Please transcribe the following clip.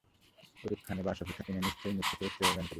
ওরূপ স্থানে বাস অপেক্ষা তিনি নিশ্চয় মৃত্যুকেও শ্রেয় জ্ঞান করিবেন।